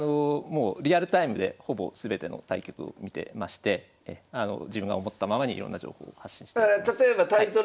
もうリアルタイムでほぼ全ての対局を見てまして自分が思ったままにいろんな情報を発信しています。